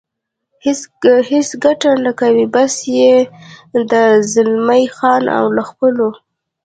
هېڅ ګټه نه کوي، بس یې ده، زلمی خان او له خپلو.